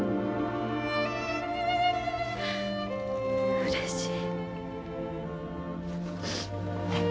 うれしい。